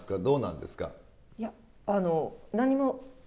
どうなんですか？